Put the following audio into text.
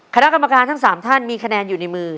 คณะกรรมการทั้ง๓ท่านมีคะแนนอยู่ในมือ